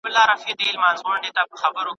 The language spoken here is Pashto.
ایا خواړه د تمرین وروسته مهم دي؟